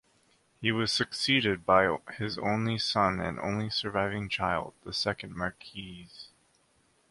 He was succeeded by his only son and only surviving child, the second Marquess.